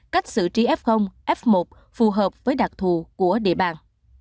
cách xử trí f f một phù hợp với đặc thù của địa bàn